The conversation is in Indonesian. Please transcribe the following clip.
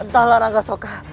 tahlah rangga soka